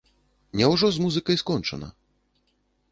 Няўжо з музыкай скончана?